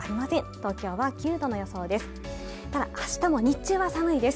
東京は９度の予想です